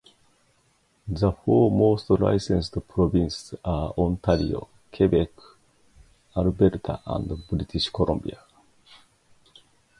The four most licensed provinces are Ontario, Quebec, Alberta and British Columbia.